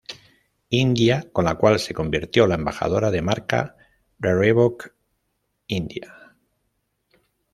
India, con lo cual se convirtió la embajadora de marca de Reebok India.